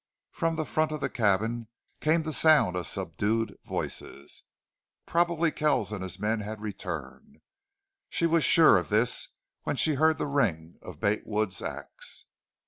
From the front of the cabin came the sound of subdued voices. Probably Kells and his men had returned, and she was sure of this when she heard the ring of Bate Wood's ax.